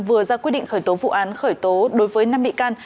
vừa ra quyết định khởi tố vụ án khởi tố đối với nam mỹ can